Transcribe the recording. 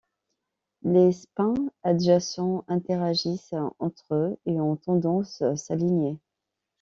Les spin adjacents interagissent entre eux et ont tendance s'aligner.